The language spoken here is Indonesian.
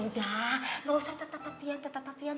nggak usah tetap tetapian tetap tetapian